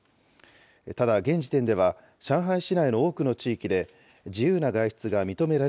ただ、現時点では、上海市内の多くの地域で、自由な外出が認めら